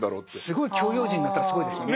すごい教養人になったらすごいですよね。